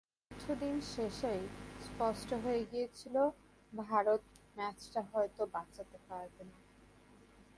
চতুর্থ দিন শেষেই স্পষ্ট হয়ে গিয়েছিল ভারত ম্যাচটা হয়তো বাঁচাতে পারবে না।